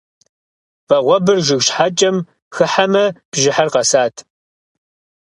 Вагъуэбэр жыг щхьэкӏэм хыхьамэ бжьыхьэр къэсат.